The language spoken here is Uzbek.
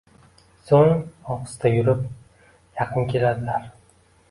So‘ng ohista yurib yaqin keladilar.